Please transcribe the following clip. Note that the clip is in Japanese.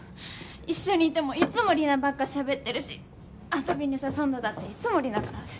一緒にいてもいつもリナばっかしゃべってるし遊びに誘うのだっていつもリナからで！